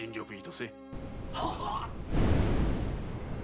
ははっ！